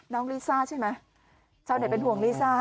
น้องลีซ่าใช่ไหมเธอเห็นเป็นห่วงลีซ่า